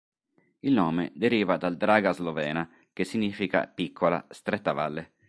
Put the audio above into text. Il nome deriva dal Draga slovena che significa "piccola", "stretta valle".